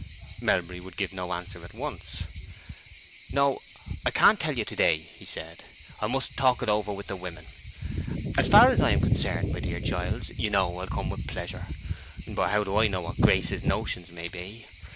Melbury would give no answer at once. "No, I can't tell you to day," he said. "I must talk it over with the women. As far as I am concerned, my dear Giles, you know I'll come with pleasure. But how do I know what Grace's notions may be?